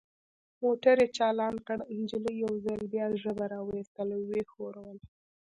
موټر یې چالان کړ، نجلۍ یو ځل بیا ژبه را وایستل او ویې ښوروله.